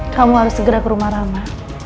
kamu harus segera ke rumah rama